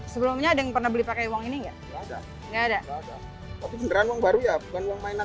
sebelumnya ada yang pernah beli pakai uang ini enggak ada ada